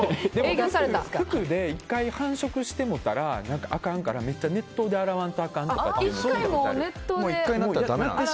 服で１回繁殖してもうたらあかんからめっちゃ熱湯で洗わないとあかんみたいな。